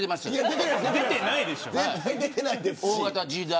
出てないでしょ。